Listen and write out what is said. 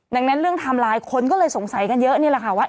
ดังนั้นเรื่องไทม์ไลน์คนก็เลยสงสัยกันเยอะนี่แหละค่ะว่า